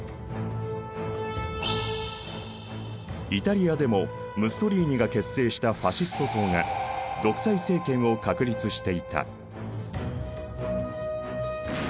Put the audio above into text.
イタリアでもムッソリーニが結成したファシスト党が独裁政権を確立していた。